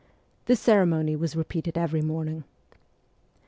This ceremony was repeated every morning.